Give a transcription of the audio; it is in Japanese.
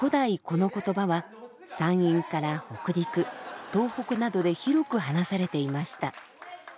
この言葉は山陰から北陸東北などで広く話されていました。